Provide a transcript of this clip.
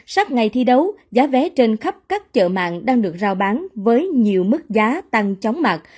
sát ngày thi đấu giá vé trên khắp các chợ mạng đang được giao bán với nhiều mức giá tăng chóng mặt